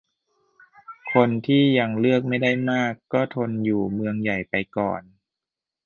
คนที่ยังเลือกไม่ได้มาก ก็ทนอยู่เมืองใหญ่ไปก่อน